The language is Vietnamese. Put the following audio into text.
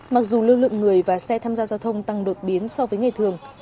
mặc dù lưu lượng người và xe tham gia giao thông tăng đột biến so với ngày thường